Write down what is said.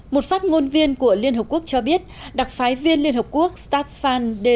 một phát ngôn viên của liên hợp quốc cho biết đặc phái viên liên hợp quốc staffan de